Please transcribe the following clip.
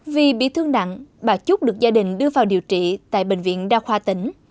vì bị thương nặng bà chút được gia đình đưa vào điều trị tại bệnh viện đa khoa tỉnh